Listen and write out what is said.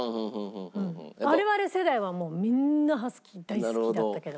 我々世代はもうみんなハスキー大好きだったけど。